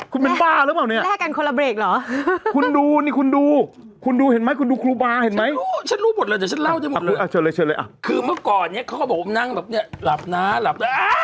คือเมื่อก่อนเนี่ยเขาบอกว่าผมนั่งแบบเนี่ยหลับนะหลับ